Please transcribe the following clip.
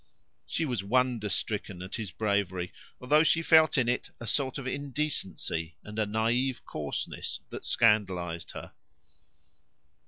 She was wonder stricken at his bravery, although she felt in it a sort of indecency and a naive coarseness that scandalised her.